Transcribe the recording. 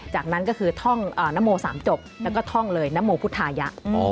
จากนั้นก็คือท่องนโม๓จบแล้วก็ท่องเลยนโมพุทธายะ